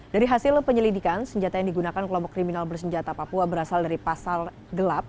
dari hasil penyelidikan senjata yang digunakan kelompok kriminal bersenjata papua berasal dari pasal gelap